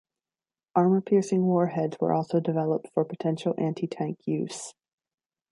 Armor-piercing warheads were also developed for potential anti-tank use.